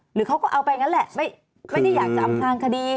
เขาก็เอาไปงั้นแหละไม่ได้อยากจะอำพลางคดี